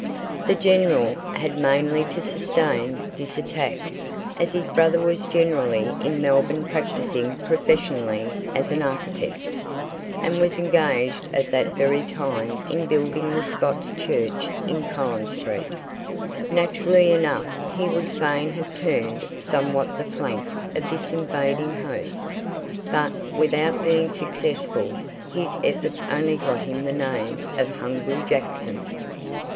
"The General" had mainly to sustain this attack, as his brother was generally in Melbourne practising professionally as an architect, and was engaged at that very time in building the Scots' Church in Collins street. Naturally enough, he would fain have turned somewhat the flank of this invading host; but, without being successful, his efforts only got him the name of "Hungry Jackson."